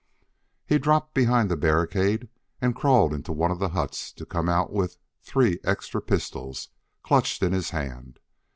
He dropped behind the barricade and crawled into one of the huts to come out with three extra pistols clutched in his hand.